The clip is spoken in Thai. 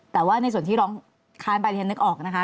แต่ว่าในส่วนที่เราค้านปริธรรมนึกออกนะคะ